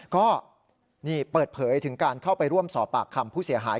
ก็นี่เปิดเผยถึงการเข้าไปร่วมสอบปากคำผู้เสียหาย